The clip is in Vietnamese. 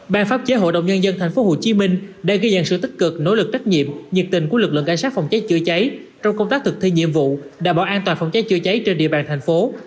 ban pháp chế hội đồng nhân dân tp hcm đã ghi nhận sự tích cực nỗ lực trách nhiệm nhiệt tình của lực lượng cảnh sát phòng cháy chữa cháy trong công tác thực thi nhiệm vụ đảm bảo an toàn phòng cháy chữa cháy trên địa bàn thành phố